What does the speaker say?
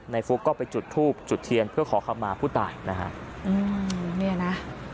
ในฟลุกก็ไปจุดทูปจุดเทียนเพื่อขอคำมาผู้ตายนะฮะ